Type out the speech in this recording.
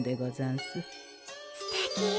すてき。